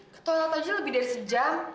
ketuala tau aja lebih dari sejam